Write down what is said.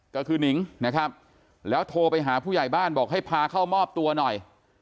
ก็คือนิงนะครับแล้วโทรไปหาผู้ใหญ่บ้านบอกให้พาเข้ามอบตัวหน่อย